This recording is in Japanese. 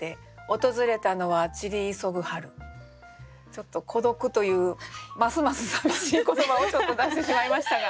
ちょっと「孤独」というますますさみしい言葉をちょっと出してしまいましたが。